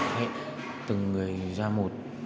hẹn từng người ra một